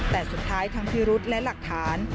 แต่สุดท้ายทั้งพิรุษและหลักฐาน